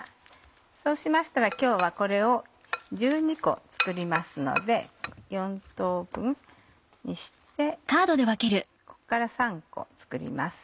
そうしましたら今日はこれを１２個作りますので４等分にしてここから３個作ります。